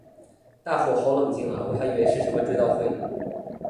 大伙好冷静啊我还以为是什么追悼会呢